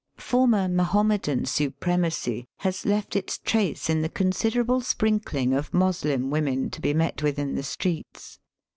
Former Mahomedan supremacy has left its trace in the considerable sprinkling of Moslem women to be met with in the streets.